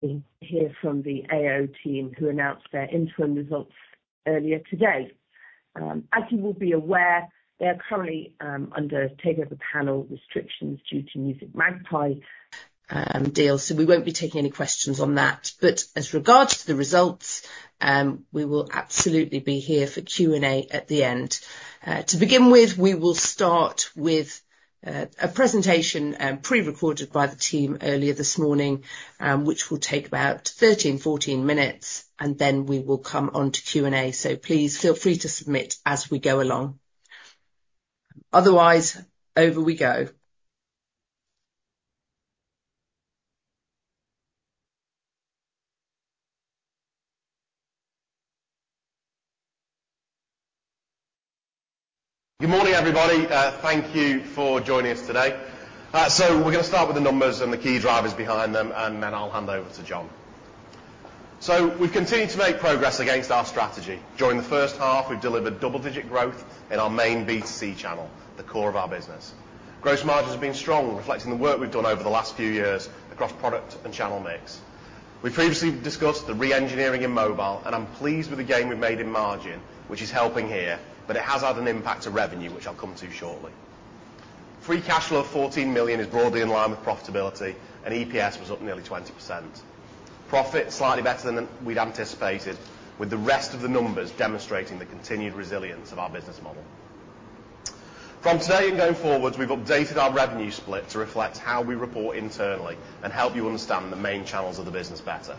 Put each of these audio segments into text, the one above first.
We'll hear from the AO team who announced their interim results earlier today. As you will be aware, they are currently under Takeover Panel restrictions due to musicMagpie deal, so we won't be taking any questions on that. But as regards to the results, we will absolutely be here for Q&A at the end. To begin with, we will start with a presentation, pre-recorded by the team earlier this morning, which will take about 13 to 14 minutes, and then we will come on to Q&A, so please feel free to submit as we go along. Otherwise, over we go. Good morning, everybody. Thank you for joining us today. So we're gonna start with the numbers and the key drivers behind them, and then I'll hand over to John. So we've continued to make progress against our strategy. During the first half, we've delivered double-digit growth in our main B2C channel, the core of our business. Gross margins have been strong, reflecting the work we've done over the last few years across product and channel mix. We previously discussed the re-engineering in mobile, and I'm pleased with the gain we've made in margin, which is helping here, but it has had an impact to revenue, which I'll come to shortly. Free cash flow of 14 million is broadly in line with profitability, and EPS was up nearly 20%. Profit slightly better than we'd anticipated, with the rest of the numbers demonstrating the continued resilience of our business model. From today and going forwards, we've updated our revenue split to reflect how we report internally and help you understand the main channels of the business better.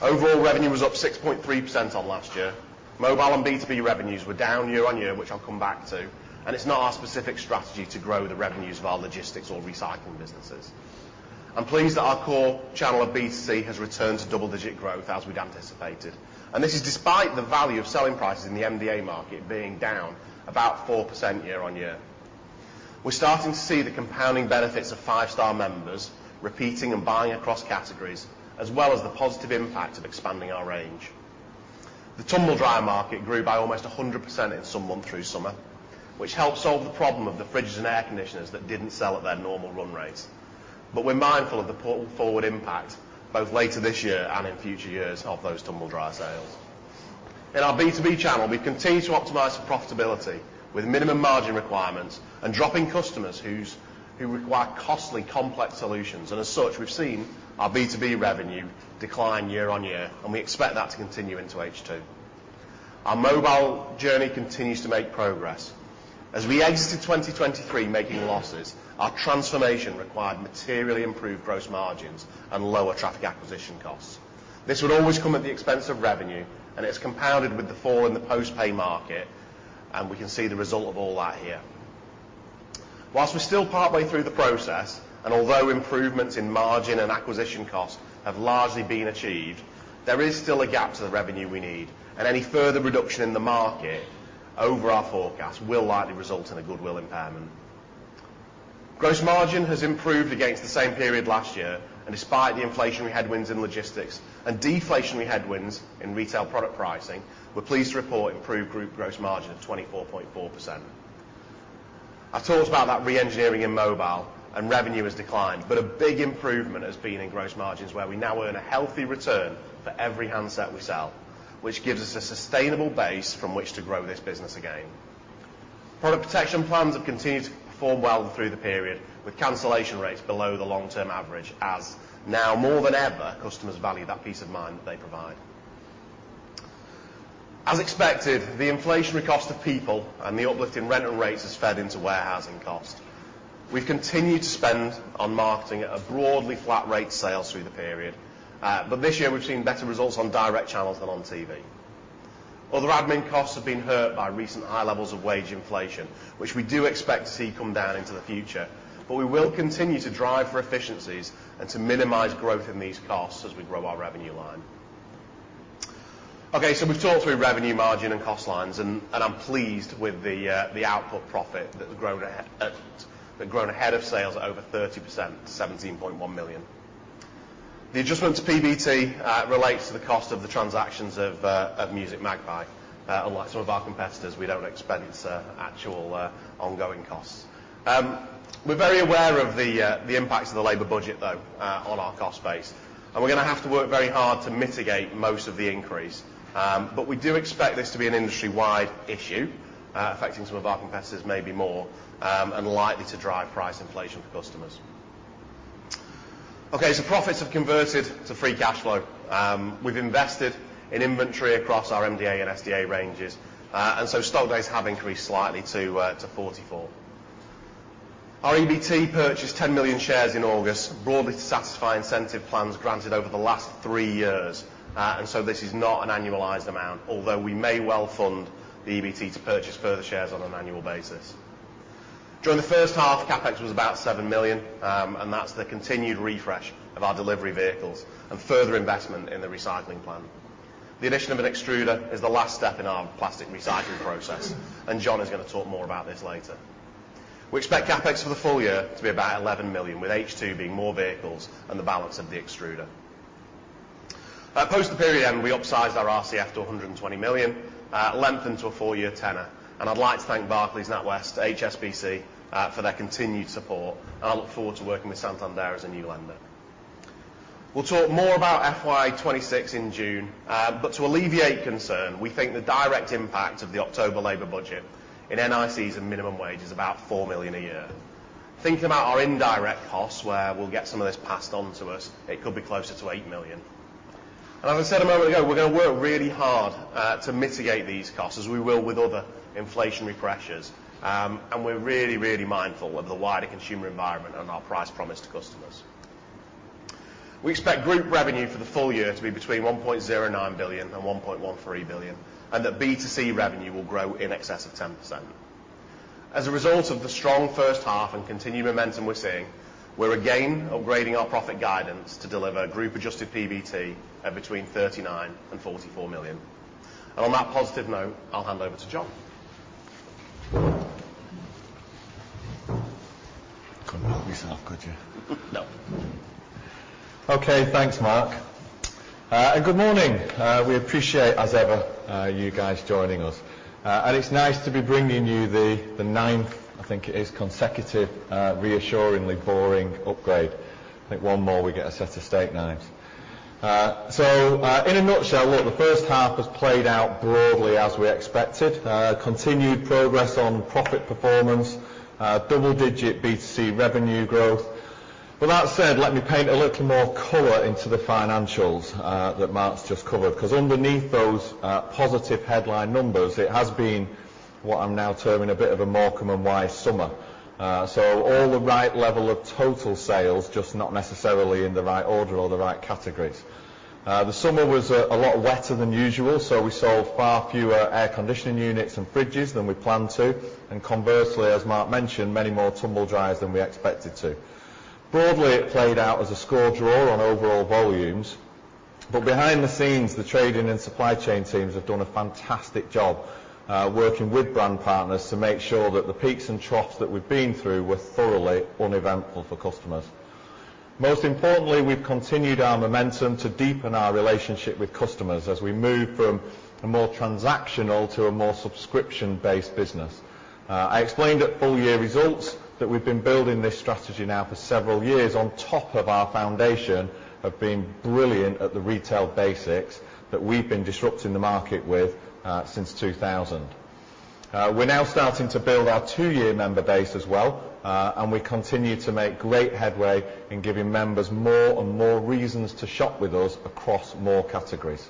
Overall revenue was up 6.3% on last year. Mobile and B2B revenues were down year-on-year, which I'll come back to, and it's not our specific strategy to grow the revenues of our logistics or recycling businesses. I'm pleased that our core channel of B2C has returned to double-digit growth as we'd anticipated, and this is despite the value of selling prices in the MDA market being down about 4% year-on-year. We're starting to see the compounding benefits of Five Star members repeating and buying across categories, as well as the positive impact of expanding our range. The tumble dryer market grew by almost 100% in some months through summer, which helped solve the problem of the fridges and air conditioners that didn't sell at their normal run rates. But we're mindful of the potential forward impact, both later this year and in future years, of those tumble dryer sales. In our B2B channel, we've continued to optimize for profitability with minimum margin requirements and dropping customers who require costly, complex solutions, and as such, we've seen our B2B revenue decline year-on-year, and we expect that to continue into H2. Our mobile journey continues to make progress. As we exited 2023 making losses, our transformation required materially improved gross margins and lower traffic acquisition costs. This would always come at the expense of revenue, and it's compounded with the fall in the post-pay market, and we can see the result of all that here. Whilst we're still partway through the process, and although improvements in margin and acquisition costs have largely been achieved, there is still a gap to the revenue we need, and any further reduction in the market over our forecast will likely result in a goodwill impairment. Gross margin has improved against the same period last year, and despite the inflationary headwinds in logistics and deflationary headwinds in retail product pricing, we're pleased to report improved gross margin of 24.4%. I've talked about that re-engineering in mobile, and revenue has declined, but a big improvement has been in gross margins where we now earn a healthy return for every handset we sell, which gives us a sustainable base from which to grow this business again. Product protection plans have continued to perform well through the period, with cancellation rates below the long-term average, as now more than ever customers value that peace of mind that they provide. As expected, the inflationary cost of people and the uplift in rental rates has fed into warehousing cost. We've continued to spend on marketing at a broadly flat rate to sales through the period, but this year we've seen better results on direct channels than on TV. Other admin costs have been hurt by recent high levels of wage inflation, which we do expect to see come down into the future, but we will continue to drive for efficiencies and to minimize growth in these costs as we grow our revenue line. Okay, so we've talked through revenue margin and cost lines, and I'm pleased with the output profit that's grown ahead of sales at over 30%, £17.1 million. The adjustment to PBT relates to the cost of the transactions of musicMagpie. Unlike some of our competitors, we don't expense actual ongoing costs. We're very aware of the impacts of the Labour Budget, though, on our cost base, and we're gonna have to work very hard to mitigate most of the increase. But we do expect this to be an industry-wide issue, affecting some of our competitors maybe more, and likely to drive price inflation for customers. Okay, so profits have converted to free cash flow. We've invested in inventory across our MDA and SDA ranges, and so stock days have increased slightly to 44. Our EBT purchased 10 million shares in August, broadly to satisfy incentive plans granted over the last three years, and so this is not an annualized amount, although we may well fund the EBT to purchase further shares on an annual basis. During the first half, CapEx was about £7 million, and that's the continued refresh of our delivery vehicles and further investment in the recycling plant. The addition of an extruder is the last step in our plastic recycling process, and John is gonna talk more about this later. We expect CapEx for the full year to be about £11 million, with H2 being more vehicles than the balance of the extruder. Post the period end, we upsized our RCF to 120 million, lengthened to a four-year tenor, and I'd like to thank Barclays, NatWest, HSBC, for their continued support, and I look forward to working with Santander as a new lender. We'll talk more about FY 26 in June, but to alleviate concern, we think the direct impact of the October Labour Budget in NICs and minimum wage is about four million a year. Thinking about our indirect costs, where we'll get some of this passed on to us, it could be closer to eight million. And as I said a moment ago, we're gonna work really hard to mitigate these costs as we will with other inflationary pressures, and we're really, really mindful of the wider consumer environment and our price promise to customers. We expect group revenue for the full year to be between 1.09 billion and 1.13 billion, and that B2C revenue will grow in excess of 10%. As a result of the strong first half and continued momentum we're seeing, we're again upgrading our profit guidance to deliver group-adjusted PBT at between 39 million and 44 million, and on that positive note, I'll hand over to John. Come help yourself, could you? No. Okay, thanks, Mark. And good morning. We appreciate, as ever, you guys joining us. And it's nice to be bringing you the, the ninth, I think it is, consecutive, reassuringly boring upgrade. I think one more we get a set of steak knives. So, in a nutshell, look, the first half has played out broadly as we expected, continued progress on profit performance, double-digit B2C revenue growth. With that said, let me paint a little more color into the financials that Mark's just covered, 'cause underneath those positive headline numbers, it has been what I'm now terming a bit of a Mark. So all the right level of total sales, just not necessarily in the right order or the right categories. The summer was a lot wetter than usual, so we sold far fewer air conditioning units and fridges than we planned to, and conversely, as Mark mentioned, many more tumble dryers than we expected to. Broadly, it played out as a score draw on overall volumes, but behind the scenes, the trading and supply chain teams have done a fantastic job, working with brand partners to make sure that the peaks and troughs that we've been through were thoroughly uneventful for customers. Most importantly, we've continued our momentum to deepen our relationship with customers as we move from a more transactional to a more subscription-based business. I explained at full-year results that we've been building this strategy now for several years on top of our foundation of being brilliant at the retail basics that we've been disrupting the market with, since 2000. We're now starting to build our two-year member base as well, and we continue to make great headway in giving members more and more reasons to shop with us across more categories.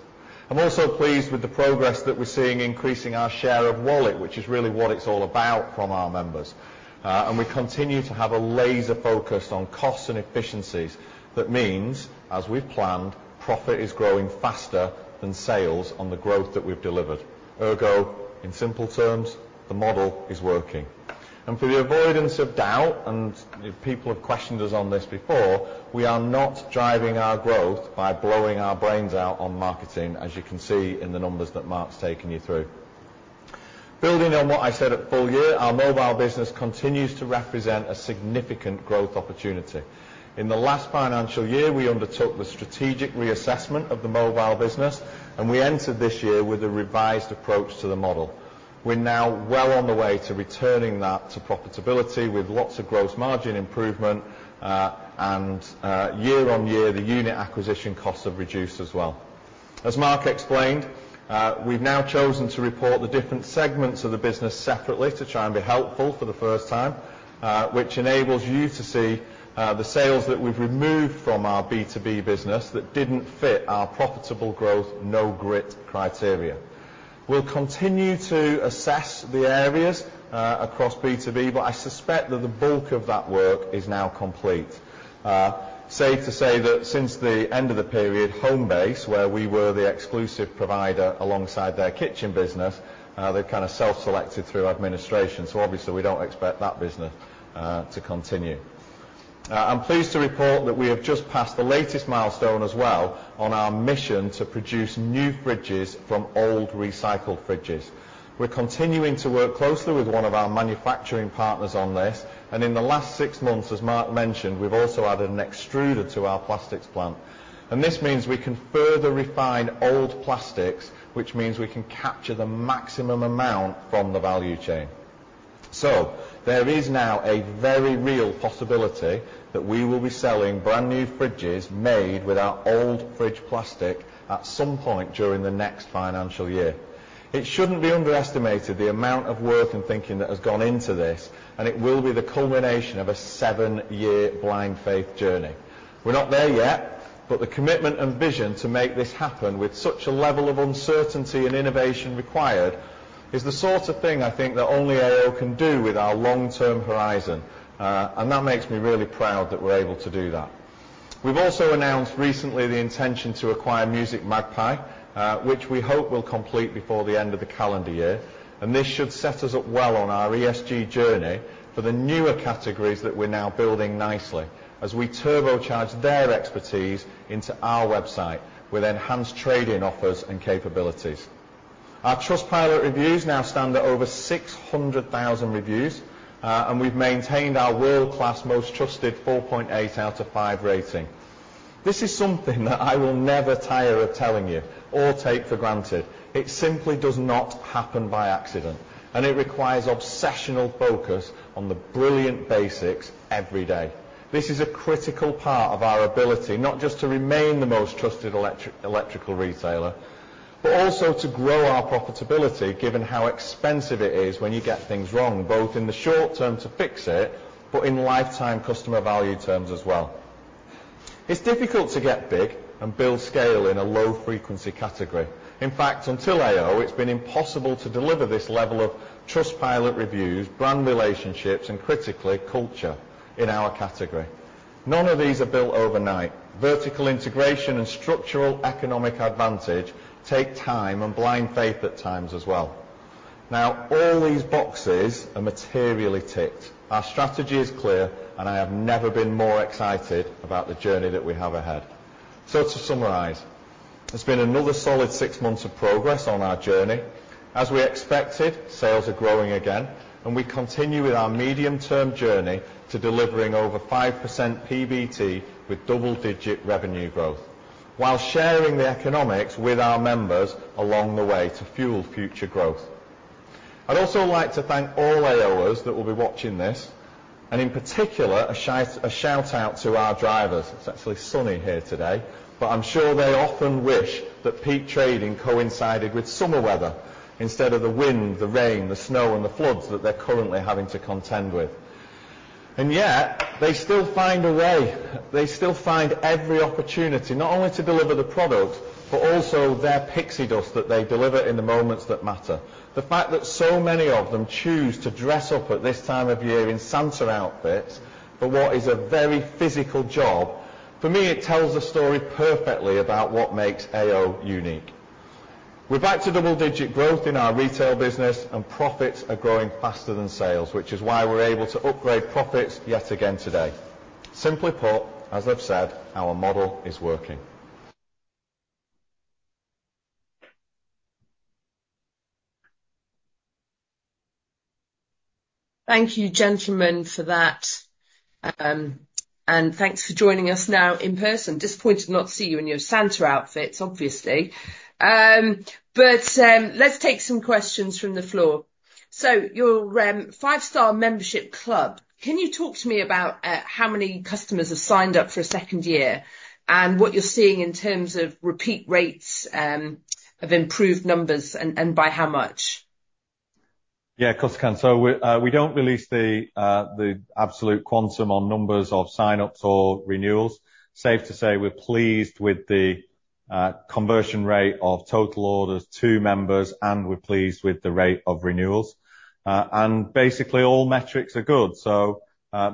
I'm also pleased with the progress that we're seeing increasing our share of wallet, which is really what it's all about from our members. And we continue to have a laser focus on costs and efficiencies that means, as we've planned, profit is growing faster than sales on the growth that we've delivered. Ergo, in simple terms, the model is working. And for the avoidance of doubt, and if people have questioned us on this before, we are not driving our growth by blowing our brains out on marketing, as you can see in the numbers that Mark's taken you through. Building on what I said at full year, our mobile business continues to represent a significant growth opportunity. In the last financial year, we undertook the strategic reassessment of the mobile business, and we entered this year with a revised approach to the model. We're now well on the way to returning that to profitability with lots of gross margin improvement, and, year-on-year, the unit acquisition costs have reduced as well. As Mark explained, we've now chosen to report the different segments of the business separately to try and be helpful for the first time, which enables you to see, the sales that we've removed from our B2B business that didn't fit our profitable growth no-grit criteria. We'll continue to assess the areas, across B2B, but I suspect that the bulk of that work is now complete. Safe to say that since the end of the period, Homebase, where we were the exclusive provider alongside their kitchen business, they've kind of self-selected through administration, so obviously, we don't expect that business to continue. I'm pleased to report that we have just passed the latest milestone as well on our mission to produce new fridges from old recycled fridges. We're continuing to work closely with one of our manufacturing partners on this, and in the last six months, as Mark mentioned, we've also added an extruder to our plastics plant. This means we can further refine old plastics, which means we can capture the maximum amount from the value chain. There is now a very real possibility that we will be selling brand new fridges made with our old fridge plastic at some point during the next financial year. It shouldn't be underestimated the amount of work and thinking that has gone into this, and it will be the culmination of a seven-year blind faith journey. We're not there yet, but the commitment and vision to make this happen with such a level of uncertainty and innovation required is the sort of thing I think that only AO can do with our long-term horizon, and that makes me really proud that we're able to do that. We've also announced recently the intention to acquire musicMagpie, which we hope will complete before the end of the calendar year, and this should set us up well on our ESG journey for the newer categories that we're now building nicely as we turbocharge their expertise into our website with enhanced trading offers and capabilities. Our Trustpilot reviews now stand at over 600,000 reviews, and we've maintained our world-class most trusted 4.8 out of 5 rating. This is something that I will never tire of telling you or take for granted. It simply does not happen by accident, and it requires obsessional focus on the brilliant basics every day. This is a critical part of our ability not just to remain the most trusted electrical retailer, but also to grow our profitability given how expensive it is when you get things wrong, both in the short term to fix it but in lifetime customer value terms as well. It's difficult to get big and build scale in a low-frequency category. In fact, until AO, it's been impossible to deliver this level of Trustpilot reviews, brand relationships, and critically, culture in our category. None of these are built overnight. Vertical integration and structural economic advantage take time and blind faith at times as well. Now, all these boxes are materially ticked. Our strategy is clear, and I have never been more excited about the journey that we have ahead. To summarize, it's been another solid six months of progress on our journey. As we expected, sales are growing again, and we continue with our medium-term journey to delivering over 5% PBT with double-digit revenue growth while sharing the economics with our members along the way to fuel future growth. I'd also like to thank all AOers that will be watching this, and in particular, a shout-out to our drivers. It's actually sunny here today, but I'm sure they often wish that peak trading coincided with summer weather instead of the wind, the rain, the snow, and the floods that they're currently having to contend with. And yet, they still find every opportunity, not only to deliver the product but also their pixie dust that they deliver in the moments that matter. The fact that so many of them choose to dress up at this time of year in Santa outfits for what is a very physical job. For me, it tells a story perfectly about what makes AO unique. We're back to double-digit growth in our retail business, and profits are growing faster than sales, which is why we're able to upgrade profits yet again today. Simply put, as I've said, our model is working. Thank you, gentlemen, for that, and thanks for joining us now in person. Disappointed not to see you in your Santa outfits, obviously. But, let's take some questions from the floor. So, your Five Star membership club, can you talk to me about how many customers have signed up for a second year and what you're seeing in terms of repeat rates, of improved numbers and, and by how much? Yeah, of course I can. So we don't release the absolute quantum on numbers of sign-ups or renewals. Safe to say we're pleased with the conversion rate of total orders to members, and we're pleased with the rate of renewals, and basically all metrics are good.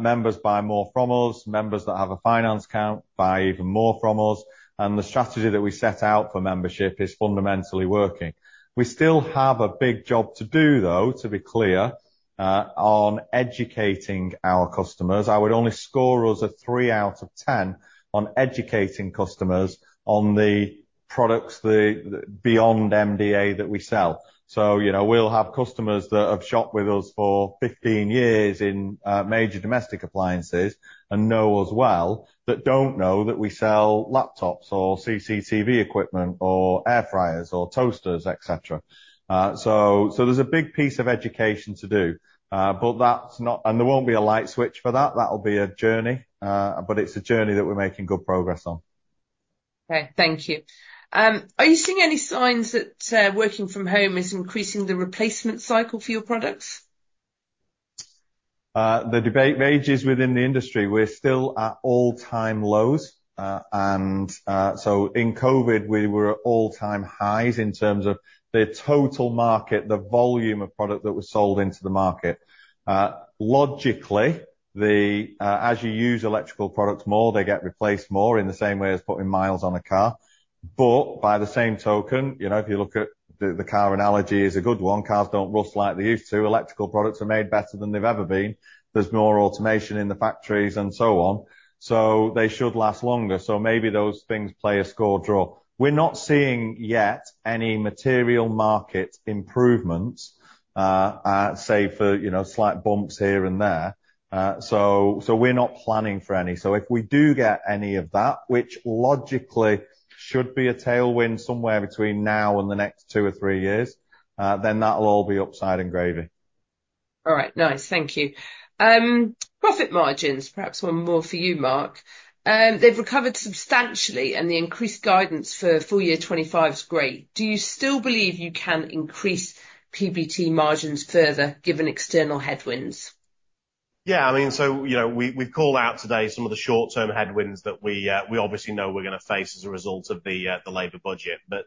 Members buy more from us. Members that have a finance account buy even more from us, and the strategy that we set out for membership is fundamentally working. We still have a big job to do, though, to be clear, on educating our customers. I would only score us three out of 10 on educating customers on the products, the beyond MDA that we sell. So, you know, we'll have customers that have shopped with us for 15 years in major domestic appliances and know us well that don't know that we sell laptops or CCTV equipment or air fryers or toasters, etc. So, so there's a big piece of education to do, but that's not and there won't be a light switch for that. That'll be a journey, but it's a journey that we're making good progress on. Okay, thank you. Are you seeing any signs that working from home is increasing the replacement cycle for your products? The debate rages within the industry. We're still at all-time lows, and so in COVID, we were at all-time highs in terms of the total market, the volume of product that was sold into the market. Logically, as you use electrical products more, they get replaced more in the same way as putting miles on a car. But by the same token, you know, if you look at the car analogy, it's a good one. Cars don't rust like they used to. Electrical products are made better than they've ever been. There's more automation in the factories and so on, so they should last longer. So maybe those things play a score draw. We're not seeing yet any material market improvements, say for, you know, slight bumps here and there, so we're not planning for any. So if we do get any of that, which logically should be a tailwind somewhere between now and the next two or three years, then that'll all be upside and gravy. All right, nice. Thank you. Profit margins, perhaps one more for you, Mark. They've recovered substantially, and the increased guidance for full year 2025's great. Do you still believe you can increase PBT margins further given external headwinds? Yeah, I mean, so, you know, we, we've called out today some of the short-term headwinds that we obviously know we're gonna face as a result of the Labour Budget. But,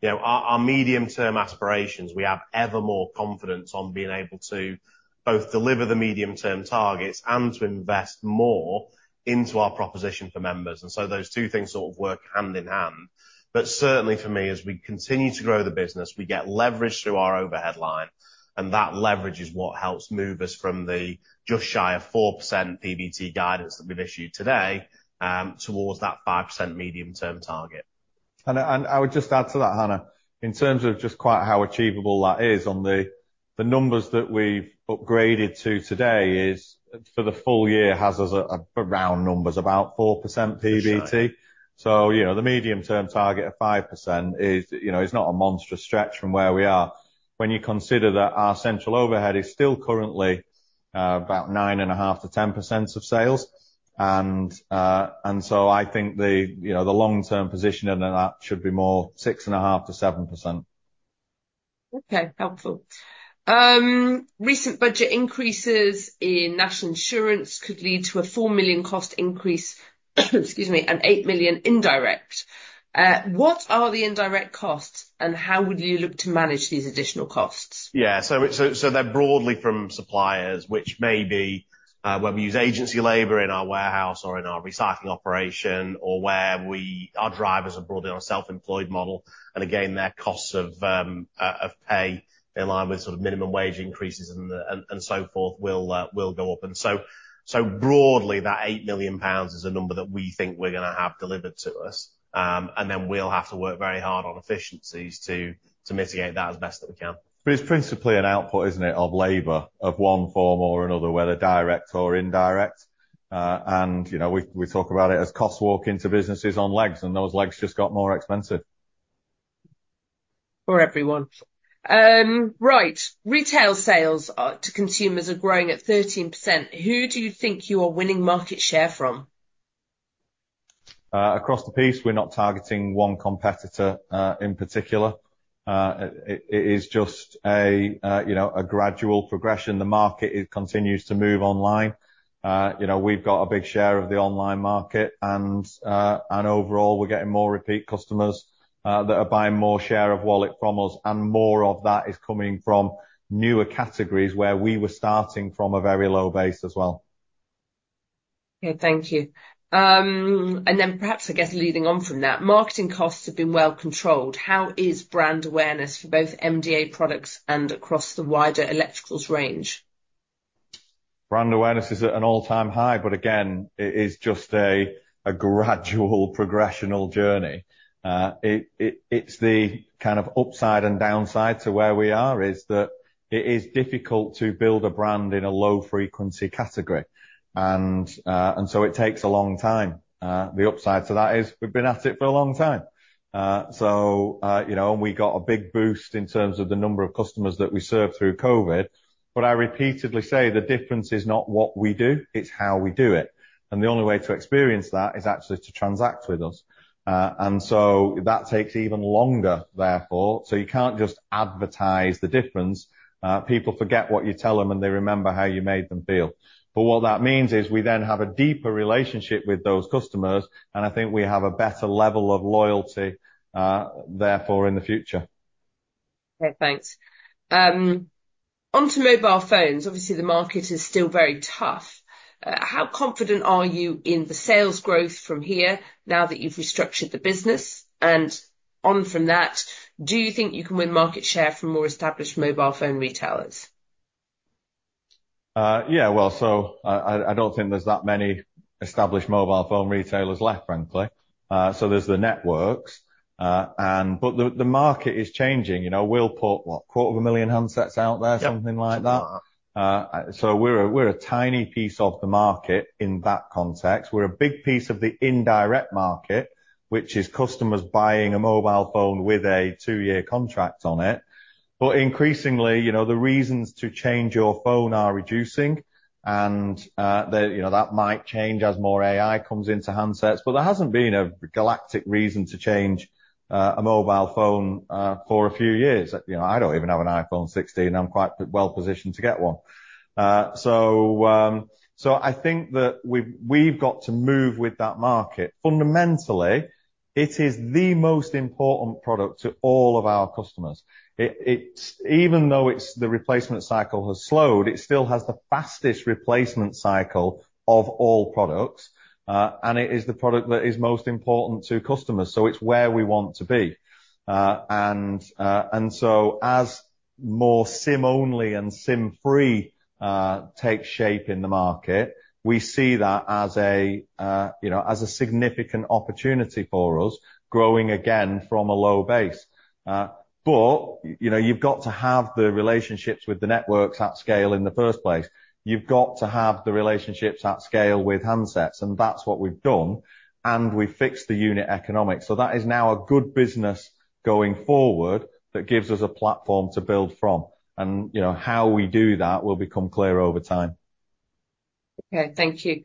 you know, our medium-term aspirations, we have ever more confidence on being able to both deliver the medium-term targets and to invest more into our proposition for members. And so those two things sort of work hand in hand. But certainly, for me, as we continue to grow the business, we get leverage through our overhead line, and that leverage is what helps move us from the just shy of 4% PBT guidance that we've issued today, towards that 5% medium-term target. I would just add to that, Anna, in terms of just quite how achievable that is on the numbers that we've upgraded to today, is for the full year has us at a round numbers, about 4% PBT. Yeah. You know, the medium-term target of 5% is, you know, not a monstrous stretch from where we are when you consider that our central overhead is still currently about 9.5% to 10% of sales. And so I think the, you know, the long-term position under that should be more 6.5% to 7%. Okay, helpful. Recent budget increases in national insurance could lead to a 4 million cost increase, excuse me, and 8 million indirect. What are the indirect costs, and how would you look to manage these additional costs? Yeah, so they're broadly from suppliers, which may be where we use agency labor in our warehouse or in our recycling operation or where our drivers are broadly on a self-employed model. And again, their costs of pay in line with sort of minimum wage increases and so forth will go up. And so broadly, that £8 million is a number that we think we're gonna have delivered to us, and then we'll have to work very hard on efficiencies to mitigate that as best that we can. But it's principally an output, isn't it, of labor of one form or another, whether direct or indirect. And, you know, we talk about it as costs walking to businesses on legs, and those legs just got more expensive. For everyone, right? Retail sales to consumers are growing at 13%. Who do you think you are winning market share from? Across the piece, we're not targeting one competitor in particular. It is just a, you know, a gradual progression. The market continues to move online. You know, we've got a big share of the online market, and overall, we're getting more repeat customers that are buying more share of wallet from us, and more of that is coming from newer categories where we were starting from a very low base as well. Okay, thank you. And then perhaps, I guess, leading on from that, marketing costs have been well controlled. How is brand awareness for both MDA products and across the wider electricals range? Brand awareness is at an all-time high, but again, it is just a gradual progressional journey. It's the kind of upside and downside to where we are is that it is difficult to build a brand in a low-frequency category. So it takes a long time. The upside to that is we've been at it for a long time, so you know and we got a big boost in terms of the number of customers that we served through COVID, but I repeatedly say the difference is not what we do. It's how we do it and the only way to experience that is actually to transact with us, and so that takes even longer, therefore so you can't just advertise the difference, so people forget what you tell them, and they remember how you made them feel. But what that means is we then have a deeper relationship with those customers, and I think we have a better level of loyalty, therefore in the future. Okay, thanks. Onto mobile phones. Obviously, the market is still very tough. How confident are you in the sales growth from here now that you've restructured the business? And on from that, do you think you can win market share from more established mobile phone retailers? Yeah, well, I don't think there's that many established mobile phone retailers left, frankly, so there's the networks, and but the market is changing. You know, we'll put what, 250,000 handsets out there, something like that. Yeah. So we're a tiny piece of the market in that context. We're a big piece of the indirect market, which is customers buying a mobile phone with a two-year contract on it. But increasingly, you know, the reasons to change your phone are reducing, and they, you know, that might change as more AI comes into handsets. But there hasn't been a galactic reason to change a mobile phone for a few years. You know, I don't even have an iPhone 16. I'm quite well positioned to get one. So I think that we've got to move with that market. Fundamentally, it is the most important product to all of our customers. It's even though it's the replacement cycle has slowed, it still has the fastest replacement cycle of all products, and it is the product that is most important to customers. So it's where we want to be. And so as more SIM-only and SIM-free takes shape in the market, we see that as a, you know, as a significant opportunity for us growing again from a low base. But, you know, you've got to have the relationships with the networks at scale in the first place. You've got to have the relationships at scale with handsets, and that's what we've done, and we've fixed the unit economics. So that is now a good business going forward that gives us a platform to build from. And, you know, how we do that will become clear over time. Okay, thank you.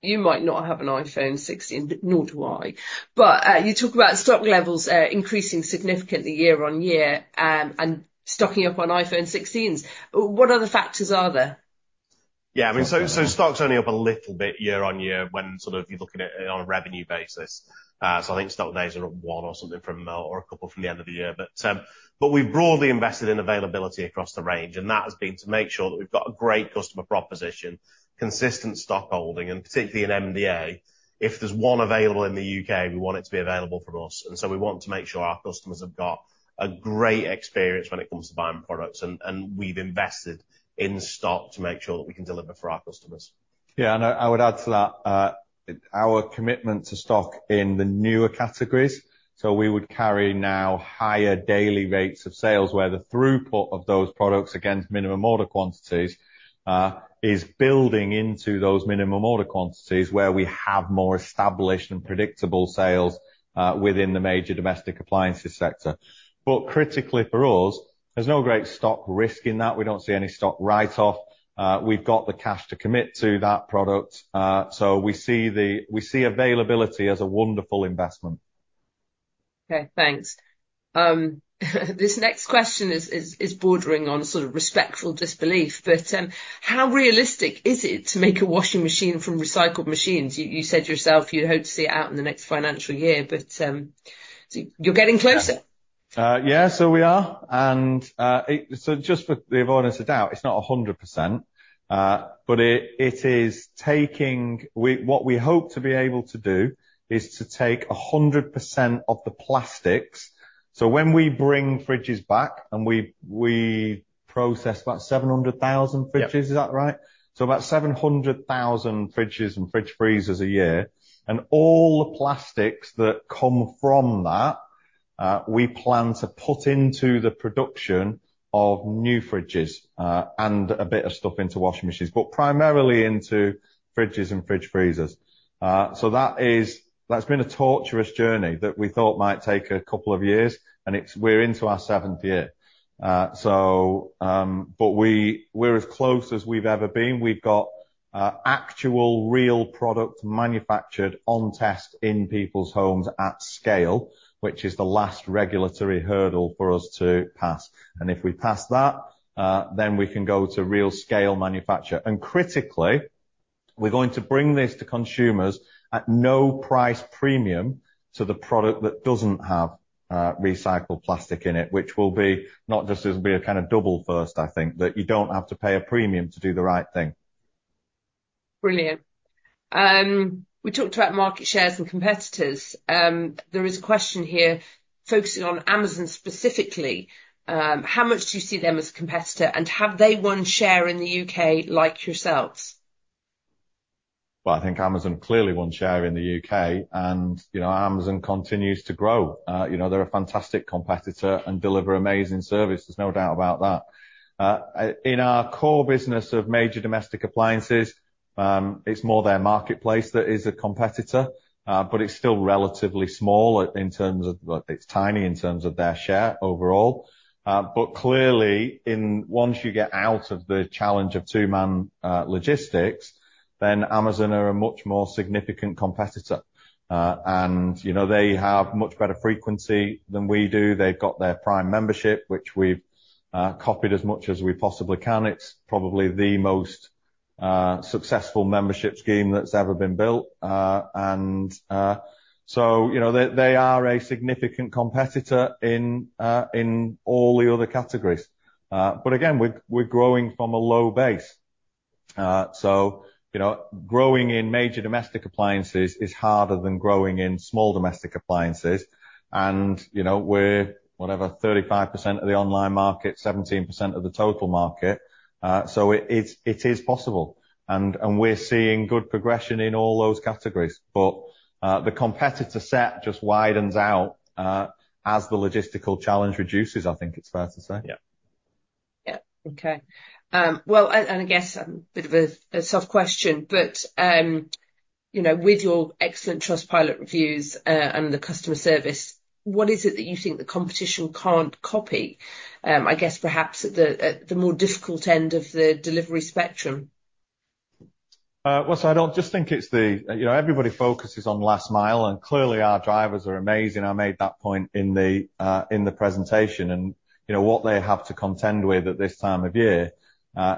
You might not have an iPhone 16, nor do I, but you talk about stock levels, increasing significantly year-on-year, and stocking up on iPhone 16s. What other factors are there? Yeah, I mean, so, so stock's only up a little bit year-on-year when sort of you're looking at it on a revenue basis, so I think stock days are at one or something from, or a couple from the end of the year. But, but we've broadly invested in availability across the range, and that has been to make sure that we've got a great customer proposition, consistent stock holding, and particularly in MDA. If there's one available in the U.K., we want it to be available from us, and so we want to make sure our customers have got a great experience when it comes to buying products, and, and we've invested in stock to make sure that we can deliver for our customers. Yeah, and I, I would add to that our commitment to stock in the newer categories. So we would carry now higher daily rates of sales where the throughput of those products against minimum order quantities is building into those minimum order quantities where we have more established and predictable sales within the major domestic appliances sector. But critically for us, there's no great stock risk in that. We don't see any stock write-off. We've got the cash to commit to that product. So we see the availability as a wonderful investment. Okay, thanks. This next question is bordering on sort of respectful disbelief, but how realistic is it to make a washing machine from recycled machines? You said yourself you'd hope to see it out in the next financial year, but so you're getting closer. Yeah, so we are. And just for the avoidance of doubt, it's not 100%, but it is taking what we hope to be able to do is to take 100% of the plastics, so when we bring fridges back and we process about 700,000 fridges. Yeah. Is that right? So about 700,000 fridges and fridge freezers a year, and all the plastics that come from that, we plan to put into the production of new fridges, and a bit of stuff into washing machines, but primarily into fridges and fridge freezers, so that's been a torturous journey that we thought might take a couple of years, and we're into our seventh year, so but we're as close as we've ever been. We've got actual real product manufactured on test in people's homes at scale, which is the last regulatory hurdle for us to pass, and if we pass that, then we can go to real scale manufacture. Critically, we're going to bring this to consumers at no price premium to the product that doesn't have recycled plastic in it, which will be, not just, it'll be a kind of double first, I think, that you don't have to pay a premium to do the right thing. Brilliant. We talked about market shares and competitors. There is a question here focusing on Amazon specifically. How much do you see them as a competitor, and have they won share in the UK like yourselves? Well, I think Amazon clearly won share in the U.K., and you know, Amazon continues to grow. You know, they're a fantastic competitor and deliver amazing service. There's no doubt about that. In our core business of major domestic appliances, it's more their marketplace that is a competitor, but it's still relatively small in terms of; it's tiny in terms of their share overall. But clearly, once you get out of the challenge of two-man logistics, then Amazon are a much more significant competitor. And you know, they have much better frequency than we do. They've got their Prime membership, which we've copied as much as we possibly can. It's probably the most successful membership scheme that's ever been built. And so you know, they are a significant competitor in all the other categories. But again, we're growing from a low base. So, you know, growing in major domestic appliances is harder than growing in small domestic appliances. And, you know, we're whatever, 35% of the online market, 17% of the total market. So it is possible. And we're seeing good progression in all those categories. But, the competitor set just widens out, as the logistical challenge reduces, I think it's fair to say. Yeah. Yeah, okay. Well, and I guess a bit of a soft question, but, you know, with your excellent Trustpilot reviews, and the customer service, what is it that you think the competition can't copy? I guess perhaps at the more difficult end of the delivery spectrum. Well, so I don't just think it's the you know everybody focuses on last mile, and clearly our drivers are amazing. I made that point in the presentation, and you know what they have to contend with at this time of year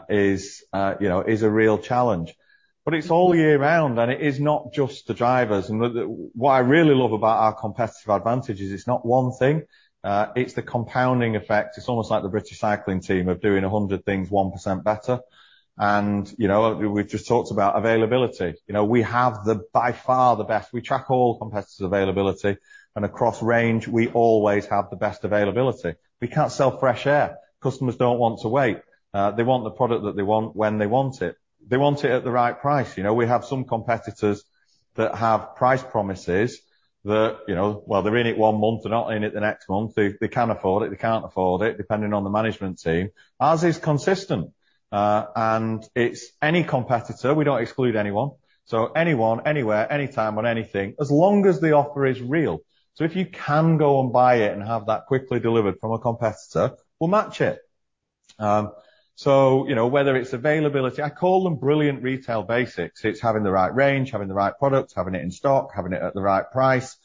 is you know a real challenge, but it's all year round, and it is not just the drivers, and what I really love about our competitive advantage is it's not one thing. It's the compounding effect. It's almost like the British cycling team of doing 100 things 1% better, and you know we've just talked about availability. You know we have by far the best. We track all competitors' availability, and across range we always have the best availability. We can't sell fresh air. Customers don't want to wait. They want the product that they want when they want it. They want it at the right price. You know, we have some competitors that have price promises that, you know, well, they're in it one month, they're not in it the next month. They, they can't afford it. They can't afford it, depending on the management team, as is consistent. And it's any competitor. We don't exclude anyone. So anyone, anywhere, anytime on anything, as long as the offer is real. So if you can go and buy it and have that quickly delivered from a competitor, we'll match it. So, you know, whether it's availability, I call them brilliant retail basics. It's having the right range, having the right product, having it in stock, having it at the right price.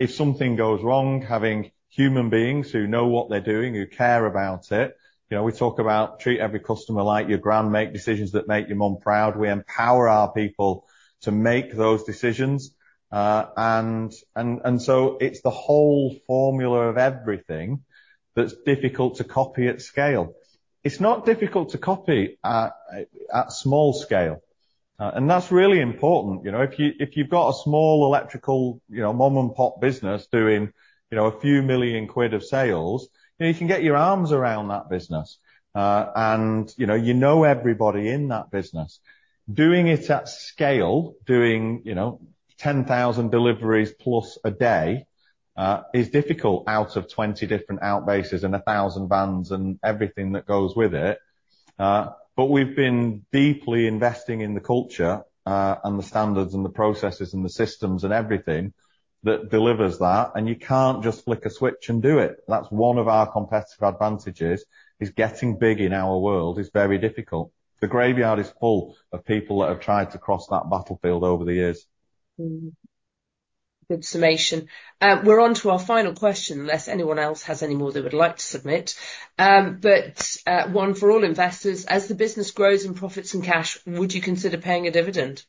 If something goes wrong, having human beings who know what they're doing, who care about it. You know, we talk about treat every customer like your grandma, make decisions that make your mom proud. We empower our people to make those decisions and so it's the whole formula of everything that's difficult to copy at scale. It's not difficult to copy at small scale and that's really important. You know, if you, if you've got a small electrical, you know, mom-and-pop business doing, you know, a few million quid of sales, you know, you can get your arms around that business and you know everybody in that business. Doing it at scale, doing, you know, 10,000 deliveries plus a day, is difficult out of 20 different outbases and 1,000 vans and everything that goes with it but we've been deeply investing in the culture, and the standards and the processes and the systems and everything that delivers that. You can't just flick a switch and do it. That's one of our competitive advantages is getting big in our world is very difficult. The graveyard is full of people that have tried to cross that battlefield over the years. Good summation. We're on to our final question, unless anyone else has any more they would like to submit. But, one for all investors. As the business grows in profits and cash, would you consider paying a dividend?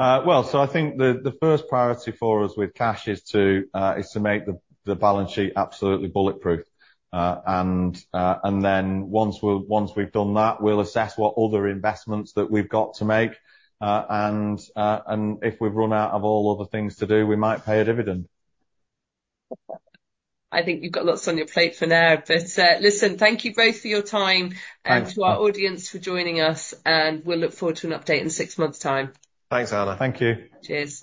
Well, so I think the first priority for us with cash is to make the balance sheet absolutely bulletproof, and then once we've done that, we'll assess what other investments that we've got to make, and if we've run out of all other things to do, we might pay a dividend. I think you've got lots on your plate for now, but, listen, thank you both for your time. Thanks. To our audience for joining us, and we'll look forward to an update in six months' time. Thanks, Anna. Thank you. Cheers.